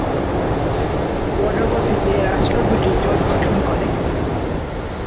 পরবর্তিতে রাষ্ট্র দুটি জোট গঠন করে।